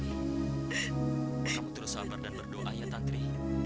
kamu terus sabar dan berdoa ya tantri